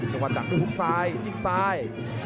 จังหวัดดักด้วยหุบซ้ายจิ้มซ้าย